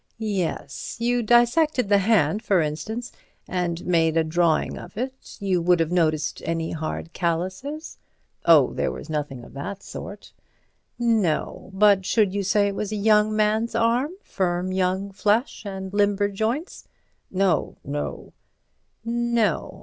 "Yes. You dissected the hand, for instance, and made a drawing of it. You would have noticed any hard calluses." "Oh, there was nothing of that sort." "No. But should you say it was a young man's arm? Firm young flesh and limber joints?" "No—no." "No.